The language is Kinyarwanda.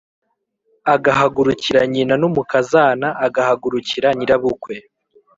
agahagurukira nyina n umukazana agahagurukira nyirabukwe